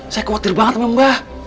saya khawatir banget sama mbah